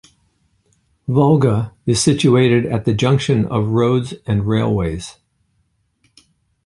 Valga is situated at the junction of roads and railways.